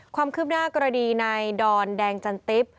ความคืบหน้ากรณีในดอนแดงจันติ๊บ